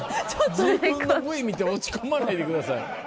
自分のＶＴＲ見て落ち込まないでください。